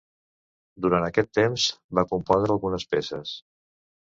Durant aquest temps va compondre algunes peces.